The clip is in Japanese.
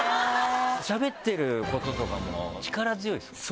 しゃべってることとかも力強いですもんね。